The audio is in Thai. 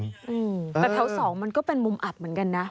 แต่แถวสองมันก็เป็นมุมอับเหมือนกันนะ